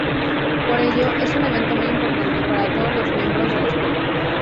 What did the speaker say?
Por ello, es un evento muy importante para todos los miembros de la escuela.